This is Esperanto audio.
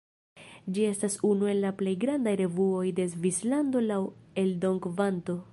Ĝi estas unu el la plej grandaj revuoj de Svislando laŭ eldonkvanto.